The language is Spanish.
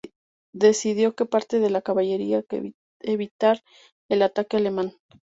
Decidió que parte de la caballería que evitar el ataque alemán.